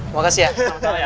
makasih ya sama sama ya